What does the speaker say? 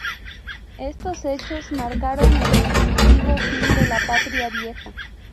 Estos hechos marcaron el definitivo fin de la Patria Vieja.